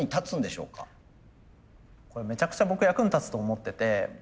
これめちゃくちゃ僕役に立つと思ってて。